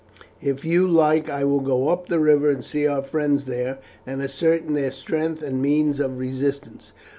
If you like I will go up the river and see our friends there, and ascertain their strength and means of resistance.